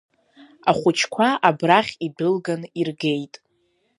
Ахәыҷқәа абрахь идәылган иргеит…